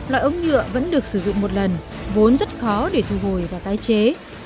loại ống nhựa vẫn được sử dụng một lần vốn rất khó để thu hồi và tái chế